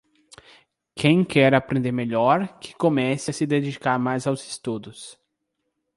quem quer aprender melhor que comesse a se dedicar mais aos estudos